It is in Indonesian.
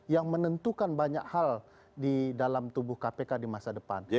yang menentukan banyak hal di dalam tubuh kpk di masa depan